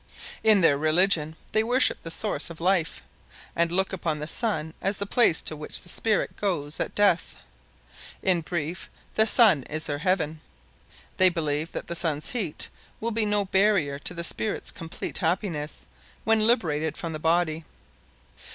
In their religion they worship the Source of Life, and look upon the Sun as the place to which the spirit goes at death. In brief, the Sun is their Heaven. They believe that the Sun's heat will be no barrier to the spirit's complete happiness when liberated from the body.